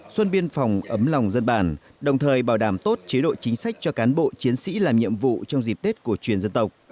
xuân biên phòng ấm lòng dân bản đồng thời bảo đảm tốt chế độ chính sách cho cán bộ chiến sĩ làm nhiệm vụ trong dịp tết cổ truyền dân tộc